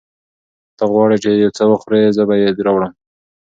که ته غواړې چې یو څه وخورې، زه به یې راوړم.